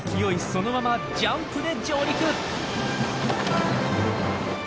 そのままジャンプで上陸！